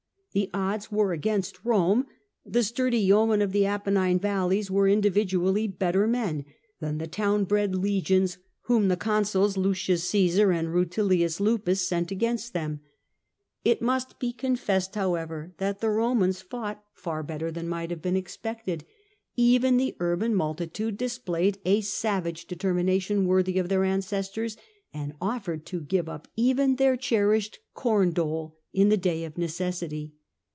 The odds were against Rome : the sturdy yeomen of the Apennine valleys were individually better men than the town bred legions whom the consuls, Lucius Csesar and Rntilius Lupus, led against them. It no FROM THE GRACCHI TO SHtLA raHSti bo oonicssed, howeyer, tiint the Romans fonght fat better than might have been expected ! eyen tlie urban multitado displayed a sav^age determination worthy o£ their ancestors, and offered to up even their cherished corn dole in the day of necessity.